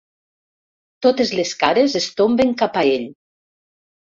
Totes les cares es tomben cap a ell.